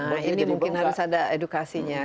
nah ini mungkin harus ada edukasinya